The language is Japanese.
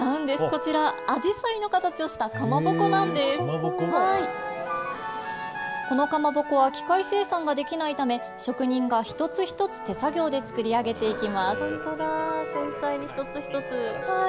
こちら、あじさいの形をしたかまぼこなんです。このかまぼこは機械生産ができないため職人が一つ一つ手作業で作り上げていきます。